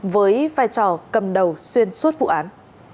với vai trò cầm đầu xuyên suốt vụ án